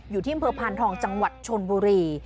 อยู่ที่อำเภอพานทองจังหวัดชนบุรี